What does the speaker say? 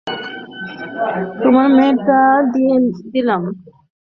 তোমাকে মেয়েটা দিয়ে দিলাম।